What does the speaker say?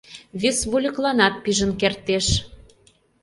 Вес вольыкланат пижын кертеш...